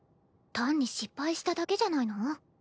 単に失敗しただけじゃないの？